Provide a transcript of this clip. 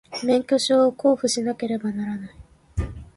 免許証を交付しなければならない